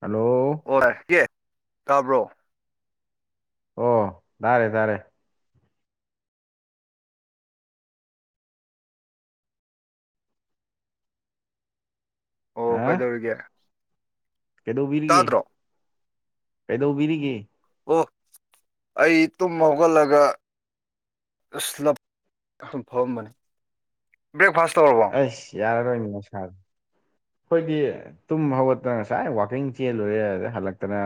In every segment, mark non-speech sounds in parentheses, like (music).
hello (unintelligible) ꯇꯥꯕ꯭ꯔꯣ ꯑꯣ ꯇꯥꯔꯦ ꯇꯥꯔꯦ ꯑꯣ ꯍꯥ ꯀꯩꯗꯧꯔꯤꯒꯦ ꯀꯩꯗꯧꯕꯤꯔꯤꯒꯦ ꯇꯥꯗ꯭ꯔꯣ ꯀꯩꯗꯧꯕꯤꯔꯤꯒꯦ ꯑꯣ ꯑꯩ ꯇꯨꯝ ꯍꯧꯒꯠꯂꯒ ꯑꯁ ꯂꯞ ꯌꯥꯝ ꯐꯔꯝꯕꯅꯤ ꯕ꯭ꯔꯦꯛꯐꯥꯁ ꯇꯧꯔꯕꯣ ꯑꯁ ꯌꯥꯔꯔꯣꯏꯅꯤ ꯅꯁꯥꯗ ꯑꯩꯈꯣꯏꯗꯤ ꯇꯨꯝ ꯍꯧꯒꯠꯇꯅ ꯉꯁꯥꯏ ꯋꯥꯛꯀꯤꯡ ꯆꯦꯜꯂꯨꯔꯦ ꯑꯗꯩ ꯍꯜꯂꯛꯇꯅ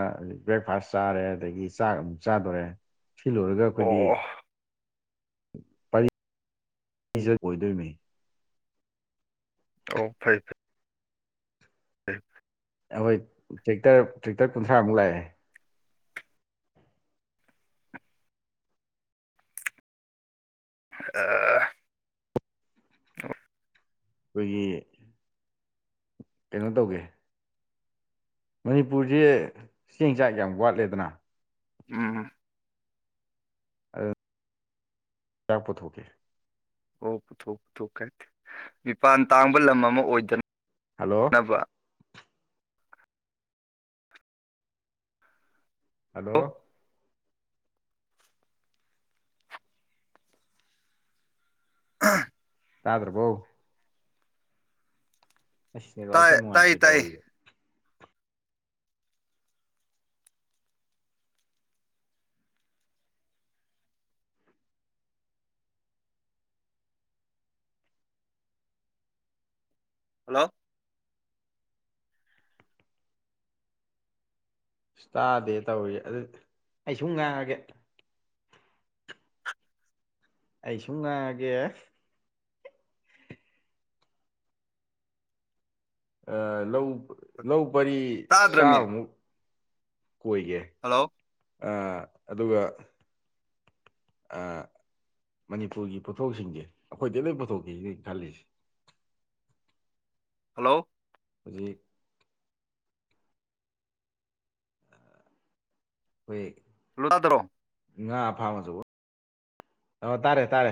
ꯕ꯭ꯔꯦꯛꯐꯥꯁ ꯆꯥꯔꯦ ꯑꯗꯒꯤ ꯆꯥꯛ ꯆꯥꯗꯣꯔꯦ ꯁꯤ ꯂꯣꯏꯔꯒ ꯑꯩꯈꯣꯏꯗꯤ ꯑꯣ (unintelligible) ꯑꯣꯏꯗꯣꯏꯅꯤ ꯑꯣ ꯐꯩ ꯐꯩ (inaudible) ꯑꯩꯈꯣꯏ ꯇ꯭ꯔꯦꯛꯇꯔ ꯇ꯭ꯔꯦꯛꯇꯔ ꯀꯨꯟꯊ꯭ꯔꯥꯃꯨꯛ ꯂꯥꯛꯑꯦ ꯑ ꯑꯩꯈꯣꯏꯒꯤ ꯀꯩꯅꯣ ꯇꯧꯒꯦ ꯃꯅꯤꯄꯨꯔꯁꯦ ꯆꯦꯡ ꯆꯥꯛ ꯌꯥꯝ ꯋꯥꯠꯂꯦꯗꯅ ꯎꯝ ꯑꯗꯨ ꯀꯌꯥ ꯄꯨꯊꯣꯛꯀꯦ ꯑꯣ ꯄꯨꯊꯣꯛ ꯄꯨꯊꯣꯛ ꯀꯥꯏꯦ ꯃꯤꯄꯥꯟ ꯇꯥꯡꯕ ꯂꯝ ꯑꯃ ꯑꯣꯏꯗꯅ ꯍꯜꯂꯣ ꯅꯕ ꯑꯣ ꯍꯂꯣ ꯑꯥ ꯇꯥꯗ꯭ꯔꯕꯣ ꯑꯩꯁ ꯅꯤꯔꯣꯜꯁ ꯇꯥꯏ ꯌꯥꯝ ꯇꯥꯏ ꯅꯨꯡꯉꯥꯏꯇꯦ ꯇꯥꯏ ꯇꯧꯔꯤꯦ ꯍꯜꯂꯣ ꯑ ꯇꯥꯗꯦ ꯇꯧꯔꯤ ꯑꯗꯨ ꯑꯩ ꯁꯨꯝ ꯉꯥꯡꯑꯒꯦ ꯑꯩ ꯁꯨꯝ ꯉꯥꯡꯑꯒꯦ ꯂꯧ ꯂꯧ ꯄꯔꯤ ꯇꯥꯗ꯭ꯔꯃꯤ ꯆꯥꯃꯨꯛ ꯀꯣꯏꯒꯦ ꯍꯜꯂꯣ ꯑ ꯑꯗꯨꯒ ꯃꯅꯤꯄꯨꯔꯒꯤ ꯄꯣꯠꯊꯣꯛꯁꯤꯡꯁꯦ ꯑꯩꯈꯣꯏꯗꯤ ꯂꯣꯏ ꯄꯨꯊꯣꯛꯈꯤꯁꯤꯅ ꯈꯜꯂꯤꯁꯦ ꯍꯜꯂꯣ ꯍꯧꯖꯤꯛ ꯍꯣꯏ ꯂꯗ꯭ꯔꯣ ꯉꯥ ꯐꯥꯃꯁꯨ ꯑ ꯇꯥꯔꯦ ꯇꯥꯔꯦ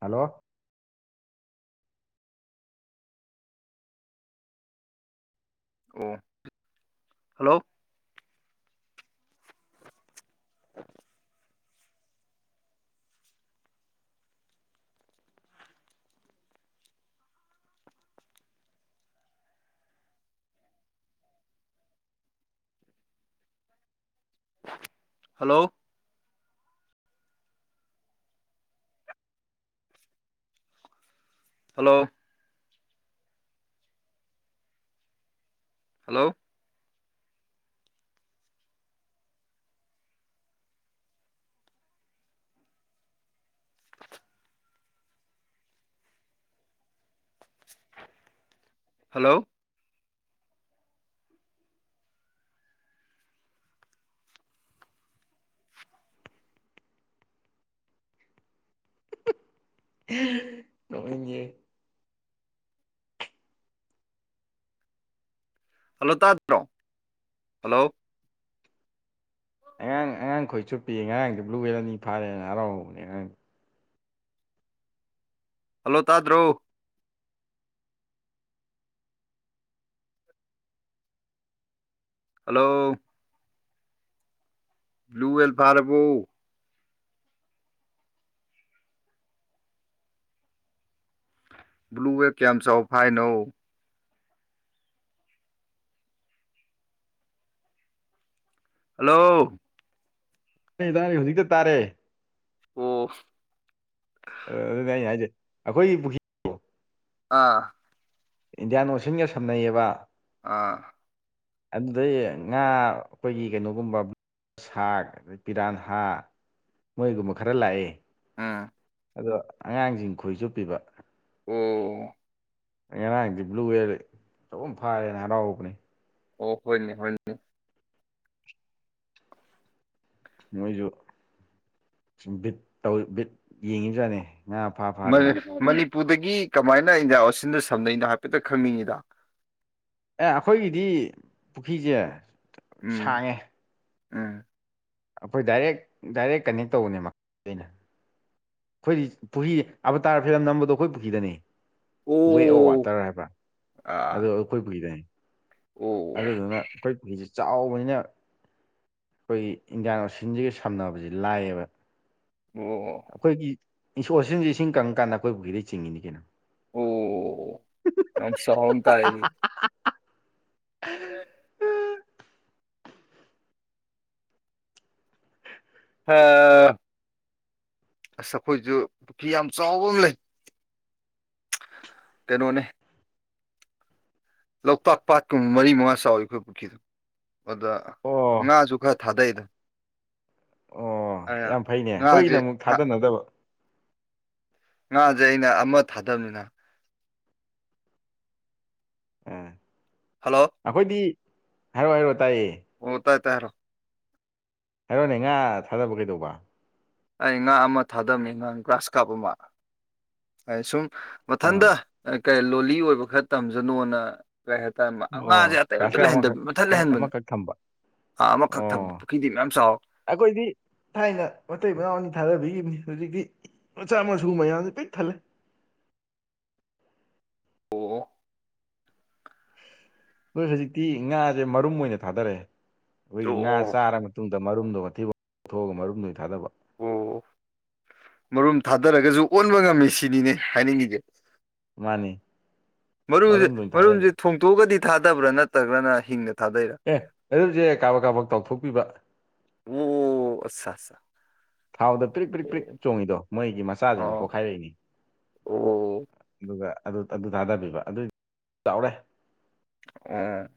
ꯍꯂꯣ ꯑꯣ hello hello hello hello hello ꯅꯣꯏꯒꯤ ꯍꯜꯂꯣ ꯇꯥꯖ꯭ꯔꯣ ꯍꯜꯂꯣ ꯑꯉꯥꯡ ꯑꯉꯥꯡ ꯈꯣꯏ ꯆꯨꯞꯄꯤꯌꯦ ꯉꯉꯥꯡꯗꯤ ꯕ꯭ꯂꯨ ꯋꯦꯂ ꯑꯅꯤ ꯐꯥꯔꯦꯅ ꯍꯔꯥꯎꯕꯅꯦ ꯑꯉꯥꯡ ꯍꯜꯂꯣ ꯇꯥꯗ꯭ꯔꯣ ꯍꯜꯂꯣ ꯕ꯭ꯂꯨꯋꯦꯜ ꯐꯔꯕꯨꯣ ꯕ꯭ꯂꯨ ꯋꯦ ꯀꯌꯥꯝ ꯆꯥꯎꯕ ꯐꯥꯏꯅꯣ ꯍꯜꯂꯣ ꯑꯩ ꯇ ꯑꯩ ꯍꯧꯖꯤꯛꯇ ꯇꯥꯔꯦ ꯑꯣ ꯑꯗꯨꯅꯦ ꯑꯩꯅ ꯍꯥꯏꯖꯩ ꯑꯩꯈꯣꯏ ꯄꯨ ꯑꯥ ꯏꯟꯗꯤꯌꯥꯟ ꯑꯣꯁꯟꯒ ꯁꯝꯅꯩꯌꯦꯕ ꯑꯥ ꯑꯗꯨꯗꯩ ꯉꯥ ꯑꯩꯈꯣꯏꯒꯤ ꯀꯩꯅꯣꯒꯨꯝꯕ ꯁꯥꯛ ꯑꯗꯩ ꯄꯤꯔꯥꯟꯍꯥ ꯃꯣꯏꯒꯨꯝꯕ ꯈꯔ ꯂꯥꯛꯑꯦ ꯎꯝ ꯑꯗꯣ ꯑꯉꯥꯡꯁꯤꯡ ꯈꯣꯏꯁꯨ ꯄꯤꯕ ꯑꯣ ꯑꯩ ꯉꯔꯥꯡꯗꯤ ꯕ꯭ꯂꯨꯋꯦꯔ ꯆꯨꯝ ꯐꯥꯔꯦꯅ ꯍꯔꯥꯎꯕꯅꯦ ꯑꯣ ꯍꯣꯏꯅꯦ ꯍꯅꯦ ꯃꯣꯏꯁꯨ ꯁꯨꯝ ꯕꯤꯠ ꯇꯧ ꯕꯤꯠ ꯌꯦꯡꯉꯤꯖꯥꯠꯅꯤ ꯉꯥ ꯐꯥ ꯐꯥꯗꯅ ꯃꯅꯤꯄꯨꯔꯗꯒꯤ ꯀꯃꯥꯏꯅ ꯏꯟꯗꯤꯌꯥ ꯑꯣꯁꯤꯟꯗ ꯁꯝꯅꯅꯣ ꯍꯥꯏꯐꯦꯠꯇꯪ ꯈꯪꯅꯤꯡꯉꯤꯗ ꯑꯦ ꯑꯩꯈꯣꯏꯒꯤꯗꯤ ꯄꯨꯈ꯭ꯔꯤꯁꯦ ꯎꯝ ꯁꯥꯡꯉꯦ ꯎꯝ ꯑꯩꯈꯣꯏ ꯗꯥꯏꯔꯦꯛ ꯗꯥꯏꯔꯦꯛ ꯀꯟꯅꯦꯛ ꯇꯧꯕꯅꯦ ꯃꯈ ꯑꯩꯅ ꯑꯩꯈꯣꯏꯗꯤ ꯄꯨꯈ꯭ꯔꯤ ꯑꯕꯇꯥꯔ ꯐꯤꯂꯝ ꯅꯝꯕꯗꯣ ꯑꯩꯈꯣꯏ ꯄꯨꯈ꯭ꯔꯤꯗꯅꯤ ꯋꯦ ꯑꯣ ꯋꯥꯇꯔ ꯍꯥꯏꯕ꯭ꯔꯥ ꯑꯗꯨ ꯑꯥ ꯑꯩꯈꯣꯏ ꯄꯨꯔꯤꯗꯅꯤ ꯑꯣ ꯑꯗꯨꯗꯨꯅ ꯑꯩꯈꯣꯏ ꯄꯨꯈꯔꯤꯁꯤ ꯆꯥꯎꯕꯅꯤꯅ ꯑꯩꯈꯣꯏꯒꯤ ꯏꯟꯗꯤꯌꯥꯟ ꯑꯣꯁꯤꯟꯁꯤꯒ ꯁꯝꯅꯕꯁ ꯂꯥꯏꯌꯦꯕ ꯑꯣ ꯑꯣ ꯑꯩꯈꯣꯏꯒꯤ ꯏꯁꯣꯔꯁꯤꯡꯁꯦ ꯏꯁꯤꯡ ꯀꯪꯉꯀꯥꯟꯗ ꯑꯩꯈꯣꯏꯕꯨꯒꯤꯗ ꯆꯤꯡꯉꯤꯅꯤ ꯀꯩꯅꯣ ꯑꯣ ꯅ ꯁꯟ ꯇꯥꯏꯔꯤ ꯎꯝ ꯑꯣ ꯑꯁ ꯑꯩꯈꯣꯏꯁꯨ ꯄꯨꯈ꯭ꯔꯤ ꯌꯥꯝ ꯆꯥꯎꯕ ꯑꯃ ꯂꯩ ꯀꯩꯅꯣꯅꯦ ꯂꯣꯛꯇꯥꯛ ꯄꯥꯠꯀꯨꯝꯕ ꯃꯔꯤ ꯃꯉꯥ ꯆꯥꯎꯋꯤ ꯑꯩꯈꯣꯏ ꯄꯨꯈ꯭ꯔꯤꯗꯨ ꯑꯗ ꯑꯣ ꯉꯥꯁꯨ ꯈꯔ ꯊꯥꯗꯩ ꯑꯣ ꯌꯥꯝ ꯐꯩꯅꯦ ꯑꯩꯈꯣꯏꯒꯤꯅ ꯑꯃꯨꯛ ꯊꯥꯗꯅꯗꯕ ꯉꯥꯁꯦ ꯑꯩꯅ ꯑꯃ ꯊꯥꯗꯕꯅꯤꯅ ꯑꯥ ꯍꯜꯂꯣ ꯑꯩꯈꯣꯏꯗꯤ ꯍꯥꯏꯔꯣꯑꯣ ꯍꯥꯏꯔꯛꯑꯣ ꯇꯥꯏꯌꯦꯦ ꯑꯣ ꯇꯥꯏ ꯇ ꯍꯥꯏꯔꯣ ꯍꯥꯏꯔꯣꯅꯦ ꯉꯥ ꯊꯥꯗꯕ ꯀꯩꯗꯧꯕ ꯑꯩ ꯉꯥ ꯑꯃ ꯊꯥꯗꯃꯤꯥꯡ ꯒ꯭ꯔꯥꯁ ꯀꯥꯞ ꯑꯃ ꯑꯩ ꯁꯨꯝ ꯑꯥ ꯃꯊꯟꯇ ꯀꯔꯤ ꯂꯣꯂꯤ ꯑꯣꯏꯕ ꯈꯔ ꯇꯝꯖꯅꯣꯅ ꯀꯔꯤ ꯍꯥꯏꯇꯥꯔꯃ ꯑꯣ ꯉꯥꯁꯦ ꯑꯇꯩ ꯒ꯭ꯔꯥꯁ ꯑꯝꯇ ꯀꯥꯞ ꯂꯩꯍꯟꯗꯕ ꯑꯃꯈꯛ ꯃꯊꯠ ꯑꯃ ꯂꯩꯍꯟꯕꯅꯦ ꯑꯃꯈꯛ ꯊꯝꯕ ꯑꯥ ꯑꯃꯈꯛ ꯑꯣ ꯊꯝꯕ ꯄꯨꯈ꯭ꯔꯤꯗꯤ ꯃꯌꯥꯝ ꯆꯥꯎꯋꯤ ꯑꯩꯈꯣꯏꯗꯤ ꯊꯥꯏꯅ ꯃꯇꯩ ꯃꯅꯥꯎꯅꯤ ꯊꯥꯗꯕꯤꯈꯤꯕꯅꯤ ꯍꯧꯖꯤꯛꯇꯤ ꯃꯆꯥ ꯃꯁꯨ ꯃꯌꯥꯝꯁꯦ ꯄꯤꯛ ꯊꯜꯂꯦ ꯑꯣ ꯑꯩꯣꯏ ꯍꯧꯖꯤꯛꯇꯤ ꯉꯥꯁꯦ ꯃꯔꯨꯝ ꯑꯣꯏꯅ ꯊꯥꯗꯔꯛꯑꯦ ꯑꯩꯈꯣꯏꯒꯤ ꯉꯥ ꯑꯣ ꯆꯥꯔ ꯃꯇꯨꯡꯨꯡꯗ ꯃꯔꯨꯝꯗꯣ ꯃꯊꯤꯐꯥꯎ ꯊꯣꯛꯑꯒ ꯃꯔꯨꯝꯗꯨ ꯊꯥꯗꯕ ꯑꯣ ꯃꯔꯨꯝ ꯊꯥꯗꯔꯒꯁꯨ ꯑꯣꯟꯕ ꯉꯝꯃꯤ ꯁꯤꯅꯤꯅꯦ ꯍꯥꯏꯅꯤꯡꯉꯒꯦ ꯃꯥꯅꯤ ꯃꯔꯨꯁꯦ ꯃꯔꯨꯝꯗ ꯑꯣꯏꯅ ꯃꯔꯨꯁꯦ ꯊꯥꯗꯒꯦ ꯊꯣꯡꯇꯣꯛꯑꯒꯗꯤ ꯊꯥꯗꯕ꯭ꯔꯥ ꯅꯠꯇ꯭ꯔꯒꯅ ꯍꯤꯡꯅ ꯊꯥꯗꯩꯔꯥ ꯑꯦ ꯑꯗꯨꯁꯦ ꯀꯥꯕ ꯀꯥꯕꯛ ꯇꯧꯊꯣꯛꯄꯤꯕ ꯑꯣ ꯑꯠꯆꯥ ꯑꯠ ꯊꯥꯎꯗ ꯄ꯭ꯔꯤꯛ ꯄ꯭ꯔꯤꯛ ꯄ꯭ꯔꯤꯛ ꯆꯣꯡꯉꯤꯗꯣ ꯃꯣꯏꯒꯤ ꯃꯆꯥꯁꯤꯡꯗꯨ ꯑꯣ ꯄꯣꯛꯈꯥꯏꯔꯛꯏꯅꯤ ꯑꯣ ꯑꯣ ꯑꯗꯨꯒ ꯑꯗꯨ ꯑꯗꯨ ꯊꯥꯗꯕꯤꯕ ꯑꯗꯨꯏ ꯆꯥꯎꯔꯦ ꯑꯣ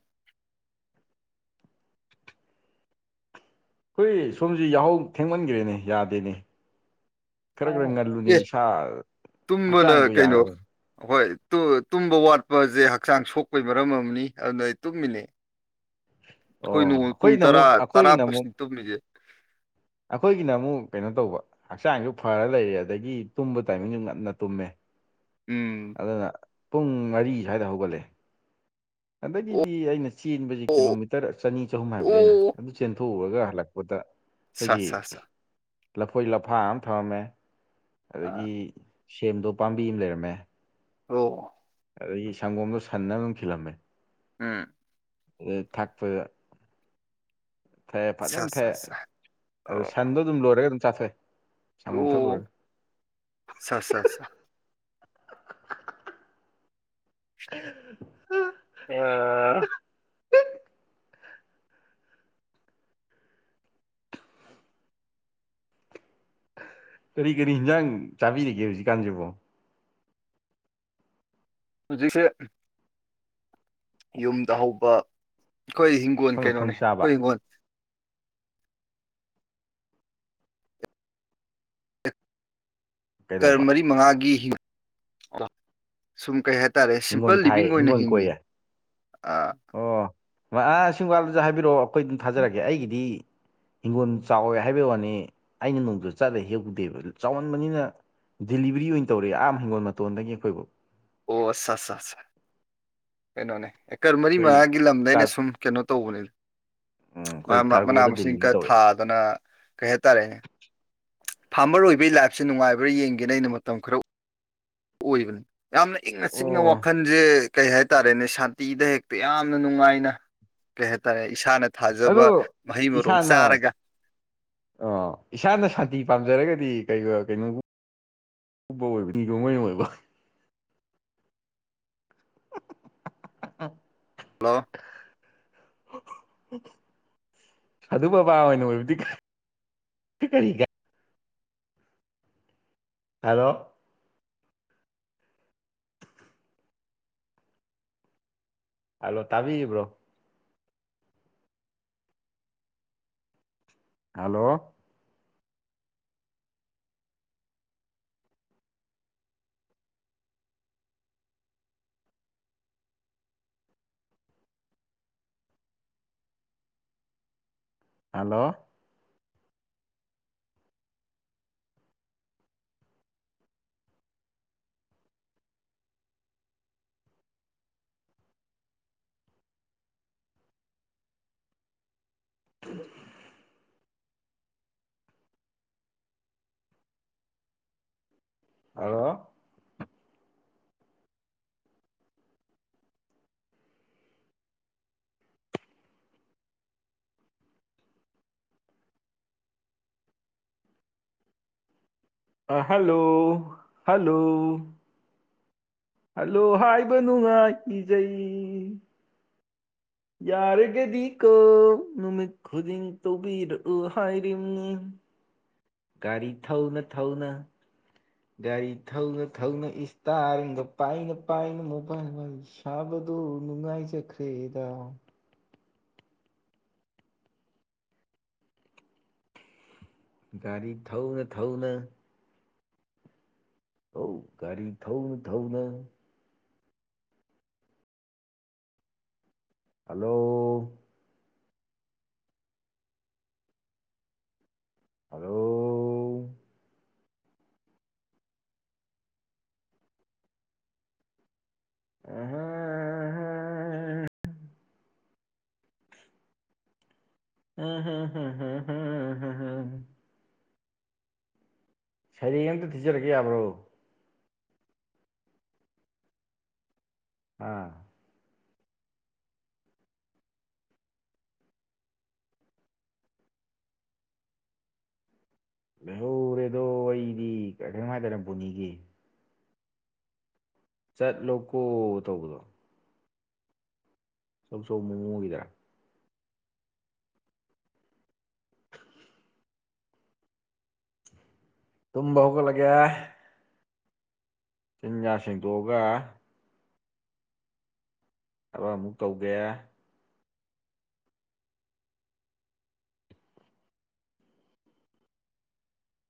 ꯍꯨꯏ ꯁꯣꯝꯁꯤ ꯌꯥꯍꯧ ꯊꯦꯡꯃꯟꯈ꯭ꯔꯦꯅꯦ ꯌꯥꯗꯣꯏꯅꯦ ꯈꯔ ꯈꯔ ꯑꯣ ꯉꯜꯂꯨꯅꯤ ꯑꯦ ꯏꯁꯥ ꯍꯛꯆꯥꯡꯗꯣ ꯌꯥꯔꯔꯅꯤ ꯑꯩꯈꯣꯏ ꯇꯨꯝꯕ ꯋꯥꯠꯄꯁꯦ ꯍꯛꯆꯥꯡ ꯁꯣꯛꯄꯒꯤ ꯃꯔꯝ ꯑꯃꯅꯤ ꯑꯗꯨꯅ ꯑꯩ ꯇꯨꯝꯃꯤꯅꯦ ꯑꯩꯈꯣꯏ ꯑꯣ ꯅꯣꯡ ꯄꯨꯡ ꯑꯩꯈꯣꯏꯅ ꯇꯔꯥ ꯑꯃꯨꯛ ꯇꯔꯥ ꯑꯩꯈꯣꯏꯒꯤꯅ ꯑꯃꯨꯛ ꯄꯁꯤꯟ ꯇꯧꯃꯤꯁꯦ ꯑꯩꯈꯣꯏꯒꯤꯅ ꯑꯃꯨꯛ ꯀꯩꯅꯣ ꯇꯧꯕ ꯍꯛꯆꯥꯡꯁꯨ ꯐꯔ ꯂꯩꯔꯦ ꯑꯗꯒꯤ ꯇꯨꯝꯕ ꯇꯥꯏꯃꯤꯡꯁꯨ ꯉꯟꯅ ꯇꯨꯝꯃꯦ ꯎꯝ ꯑꯗꯨꯅ ꯄꯨꯡ ꯃꯔꯤ ꯁ꯭ꯋꯥꯏꯗ ꯍꯧꯒꯠꯂꯦ ꯑꯣ ꯑꯗꯒꯤꯗꯤ ꯑꯩꯅ ꯆꯦꯟꯕꯕꯁꯤ ꯑꯣ ꯀꯤꯂꯣꯃꯤꯇꯔ ꯆꯅꯤ ꯆꯍꯨꯝ ꯍꯥꯏꯕꯗ ꯑꯩꯅ ꯑꯣ ꯆꯦꯟꯊꯣꯛꯎꯔꯒ ꯍꯜꯂꯛꯄꯗ ꯁꯥ ꯑꯩꯈꯣꯏꯒꯤ ꯁꯥ ꯁꯥ ꯂꯐꯣꯏ ꯂꯐꯥ ꯑꯃ ꯊꯝꯔꯝꯃꯦ ꯑꯗꯒꯤ ꯑ ꯁꯦꯝꯗꯣ ꯄꯥꯝꯕꯤ ꯑꯃ ꯂꯩꯔꯝꯃꯦ ꯑꯣ ꯑꯗꯒꯤ ꯁꯪꯒꯣꯝꯗꯣ ꯁꯟꯅ ꯑꯗꯨꯝ ꯈꯤꯜꯂꯝꯃꯦ ꯎꯝ ꯊꯛꯄ ꯊ ꯁꯥ ꯐꯖꯅ ꯊꯩ ꯁꯥ ꯁꯥ ꯑꯗꯨ ꯑꯣ ꯁꯟꯗꯣ ꯑꯗꯨꯝ ꯂꯣꯏꯔꯒ ꯑꯗꯨꯝ ꯆꯥꯊꯣꯛꯑ ꯁꯪꯒꯣꯝ ꯊꯛ ꯂꯣꯏꯔꯒ ꯑꯠ ꯍ (unintelligible) ꯑ ꯄꯠ ꯀꯔꯤ ꯀꯔꯤ ꯍꯤꯟꯖꯥꯡ ꯆꯥꯕꯤꯔꯤꯒꯦ ꯍꯧꯖꯤꯛꯀꯥꯟꯁꯤꯕꯣ ꯍꯧꯖꯤꯁꯦ ꯌꯨꯝꯗ ꯍꯧꯕ ꯑꯩꯈꯣꯏ ꯍꯤꯡꯒꯣꯜ ꯑꯐꯪ ꯑꯐꯪ ꯀꯩꯅꯣꯅꯦ ꯆꯥꯕ ꯑꯩꯈꯣꯏ ꯍꯤꯡꯒꯣꯜ ꯀꯔ ꯀꯩꯗꯧꯕ ꯃꯔꯤ ꯃꯉꯥꯒꯤ ꯍꯤꯡꯉ ꯁꯨꯝ ꯀꯩ ꯍꯥꯏꯇꯥꯔꯦ ꯍꯤꯡꯒꯣꯜ ꯁꯤꯝꯄꯜ ꯊꯥꯏꯌꯦ ꯂꯤꯕꯤꯡ ꯑꯣꯏꯅ ꯍꯤꯡꯒꯣꯜ ꯍꯤꯡꯉꯤ ꯀꯣꯏꯌꯦ ꯑꯣ ꯑꯥ ꯒꯥꯜꯗꯁꯨ ꯍꯥꯏꯕꯤꯔꯛꯑꯣ ꯑꯩꯈꯣꯏ ꯑꯗꯨꯝ ꯊꯥꯖꯔꯛꯀꯦ ꯑꯩꯒꯤꯗꯤ ꯍꯤꯡꯒꯣꯜ ꯆꯥꯎꯋꯦ ꯍꯥꯏꯕꯩ ꯋꯥꯅꯤ ꯑꯩꯅ ꯅꯣꯡꯗꯨꯗ ꯆꯠꯂ ꯍꯦꯛꯞꯄꯨꯗꯦꯕ ꯆꯥꯎꯃꯟꯕꯅꯤꯅ ꯗꯤꯂꯤꯕꯔꯤ ꯑꯣꯏꯅ ꯇꯧꯔꯦ ꯑꯥꯝ ꯍꯪꯒꯣꯜ ꯃꯇꯣꯟꯗꯒꯤ ꯑꯩꯈꯣꯏꯕꯨ ꯑꯣ ꯑꯠꯁ ꯑ ꯑ ꯀꯩꯅꯣꯅꯦ ꯑꯦꯀꯔ ꯃꯔꯤ ꯃꯉꯥꯒꯤ ꯑꯩꯈꯣꯏ ꯂꯝꯗ ꯑꯩꯅ ꯀꯥꯔ ꯁꯨꯝ ꯀꯩꯅꯣ ꯇꯧꯕꯅꯦ ꯎꯝ ꯑꯩꯈꯣꯏ ꯃꯅꯥ ꯀꯥꯔꯒꯣꯗ ꯃꯁꯤꯡ ꯗꯦꯂꯤꯚꯔꯤ ꯈ ꯊꯥ ꯇꯧꯔꯛꯑꯦ ꯑꯗꯨꯅ ꯀꯩꯍꯇꯥꯔꯦꯅꯦ ꯐꯥꯔꯃꯔ ꯑꯣꯏꯕꯒꯤ ꯂꯥꯏꯐꯁꯦ ꯅꯨꯡꯉꯥꯏꯕ ꯈꯔ ꯌꯦꯡꯒꯦꯅ ꯑꯩꯅ ꯃꯇꯝ ꯈꯔ ꯑꯣꯏꯕꯅꯤ ꯌꯥꯝꯅ ꯏꯪꯅ ꯆꯤꯛꯅ ꯑꯣ ꯋꯥꯈꯜꯁꯦ ꯀꯩ ꯍꯥꯏꯇꯥꯔꯦꯅꯦ ꯁꯥꯟꯇꯤꯗ ꯍꯦꯛꯇ ꯌꯥꯝꯅ ꯅꯨꯡꯉꯥꯏꯅ ꯀꯩ ꯍꯥꯏꯇꯥꯔꯦ ꯏꯁꯥꯅ ꯑꯗꯨ ꯊꯥꯖꯕ ꯃꯍꯩ ꯃꯔꯣꯡ ꯆꯥꯔꯒ ꯑꯣ ꯏꯁꯥꯅ ꯁꯥꯟꯇꯤ ꯄꯥꯝꯖꯔꯒꯗꯤ ꯀꯩ ꯀꯩꯅꯣ ꯎꯄ ꯑꯣꯏꯕꯅꯤꯀꯣꯉꯣꯏꯅ ꯑꯣꯏꯕ ꯎꯝ ꯍꯜꯂꯣ ꯁꯥꯗꯨ ꯕꯕꯥ ꯑꯣꯏꯅ ꯑꯣꯏꯕꯗꯤ ꯀꯔꯤ ꯀꯥꯏ ꯑꯗꯣ ꯍꯜꯂꯣ ꯇꯥꯕꯤꯔꯤꯕ꯭ꯔꯣ ꯍꯜꯂꯣ ꯍꯜꯂꯣ ꯎꯃꯝꯃ ꯍꯜꯂꯣ ꯑꯥ ꯍꯜꯂꯣ ꯍꯜꯂꯣ ꯍꯜꯂꯣ ꯍꯥꯏꯕ ꯅꯨꯡꯉꯥꯏ ꯏꯖꯩ ꯌꯥꯔꯒꯗꯤ ꯀꯣ ꯅꯨꯃꯤꯠ ꯈꯨꯗꯤꯡ ꯇꯧꯕꯤꯔꯛꯎ ꯍꯥꯏꯔꯤꯕꯝꯅꯤ ꯒꯥꯔꯤ ꯊꯧꯅꯥ ꯊꯧꯅꯥ ꯒꯥꯔꯤ ꯊꯧꯅ ꯊꯧꯅ ꯏꯁꯇꯥꯔꯤꯒ ꯄꯥꯏꯅ ꯄꯥꯏꯅ ꯃꯣꯕꯥꯏꯜ ꯁꯥꯕꯗꯨ ꯅꯨꯡꯉꯥꯏ ꯆꯈ꯭ꯔꯦꯗ ꯒꯥꯔꯤ ꯊꯧꯅ ꯊꯧꯅ ꯊꯧ ꯒꯥꯔꯤ ꯊꯧꯅ ꯊꯧꯅ ꯍꯜꯂꯣ ꯍꯂꯣ ꯎ (unintelligible) ꯍꯥ ꯍꯥ ꯍꯥ ꯍꯥꯑꯥ (unintelligible) ꯁꯩꯔꯦꯡ ꯑꯝꯇ ꯊꯤꯖꯔꯛꯀꯦ ꯌꯥꯕ꯭ꯔꯣ ꯑꯥ ꯂꯩꯍꯧꯔꯦꯗꯣ ꯑꯩꯗꯤ ꯀꯔꯤꯅꯣꯝ ꯍꯥꯏꯗꯥꯏꯅꯦ ꯕꯣꯟꯅꯤ ꯒꯤ ꯆꯠꯂꯣꯀꯣ ꯇꯧꯕꯗꯣ ꯑꯆꯧꯆꯧꯕ ꯃꯑꯣꯡ ꯑꯣꯏꯗꯔꯥ ꯇꯨꯝꯕ ꯍꯧꯒꯂꯒꯦ ꯆꯤꯟ ꯌꯥ ꯁꯦꯡꯗꯣꯛ ꯑꯥꯒꯥ ꯊꯕ ꯑꯃꯨꯛ ꯀꯧꯒꯦ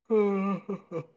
ꯎꯝ